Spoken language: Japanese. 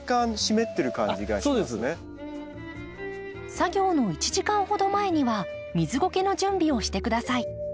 作業の１時間ほど前には水ゴケの準備をして下さい。